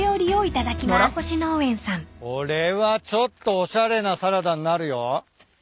これはちょっとおしゃれなサラダになるよ。